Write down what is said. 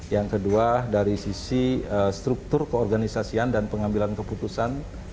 yang kedua dari sisi struktur keorganisasian dan pengambilan keputusan